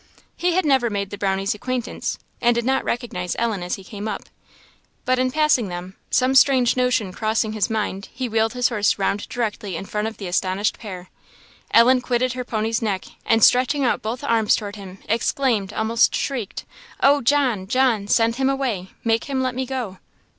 He had never made the Brownie's acquaintance, and did not recognise Ellen as he came up; but in passing them, some strange notion crossing his mind he wheeled his horse round directly in front of the astonished pair. Ellen quitted her pony's neck, and stretching out both arms towards him, exclaimed, almost shrieked, "Oh, John! John! send him away! make him let me go!"